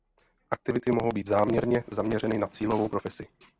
Aktivity mohou být záměrně zaměřeny na cílovou profesi.